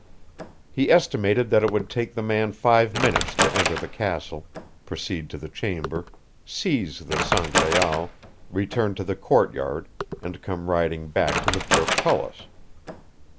He estimated that it would take the man five minutes to enter the castle, proceed to the chamber, seize the Sangraal, return to the courtyard and come riding back to the portcullis.